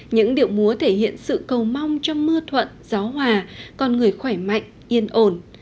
những điệu múa thể hiện sự cầu mong cho mưa thuận gió hòa con người khỏe mạnh yên ổn